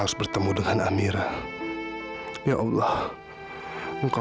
nusmoh saya rindu sekali sama amira